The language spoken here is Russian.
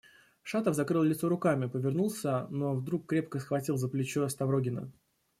Шатов закрыл лицо руками, повернулся, но вдруг крепко схватил за плечо Ставрогина.